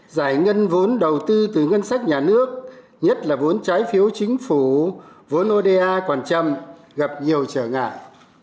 giải ngân vốn đầu tư từ ngân sách nhà nước nhất là vốn trái phiếu chính phủ vốn oda còn chậm gặp nhiều trở ngại